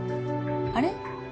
あれ？